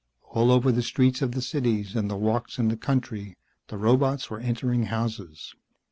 All over the streets of the cities and the walks in the country the robots were entering houses.